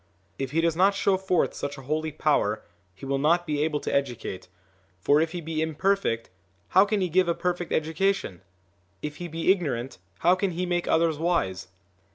If he does not show forth such a holy power, he will not be able to educate, for if he be imperfect, how can he give a perfect education ? if he be ignorant, how can he make others wise?"